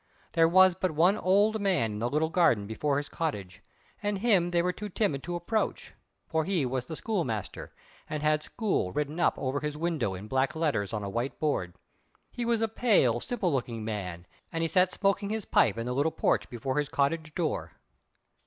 There was but one old man in the little garden before his cottage, and him they were too timid to approach, for he was the schoolmaster, and had "School" written up over his window in black letters on a white board. He was a pale, simple looking man, and sat smoking his pipe in the little porch before his cottage door.